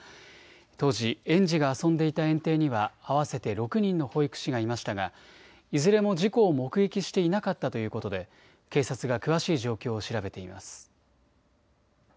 当時、園児が遊んでいた園庭には合わせて６人の保育士がいましたが、いずれも事故を目撃していなかったということで、警察が詳しい状況を調べています。